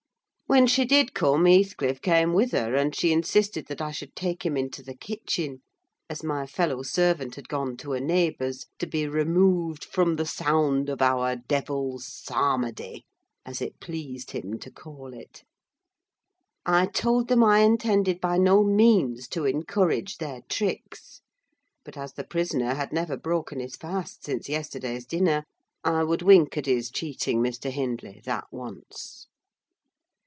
When she did come, Heathcliff came with her, and she insisted that I should take him into the kitchen, as my fellow servant had gone to a neighbour's, to be removed from the sound of our "devil's psalmody," as it pleased him to call it. I told them I intended by no means to encourage their tricks: but as the prisoner had never broken his fast since yesterday's dinner, I would wink at his cheating Mr. Hindley that once.